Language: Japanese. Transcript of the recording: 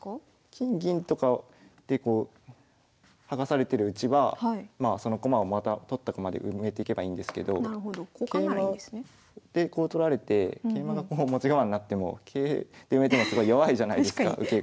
金銀とかで剥がされてるうちはまあその駒をまた取った駒で埋めてけばいいんですけど桂馬で取られて桂馬がこう持ち駒になっても桂で埋めてもすごい弱いじゃないですか受けが。